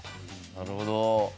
なるほど。